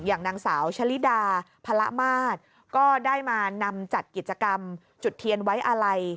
อย่างนางสาวชะลิดาพระละมาตรก็ได้มานำจัดกิจกรรมจุดเทียนไว้อาลัย